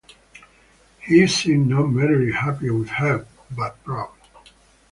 He seemed not merely happy with her, but proud.